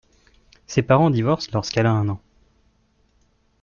Ses parents divorcent lorsqu'elle a un an.